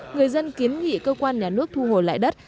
người dân kiến nghị cơ quan nhà nước thu hồi lại đất